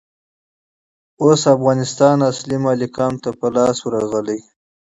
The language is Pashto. اوس افغانستان اصلي مالکينو ته په لاس ورغلئ.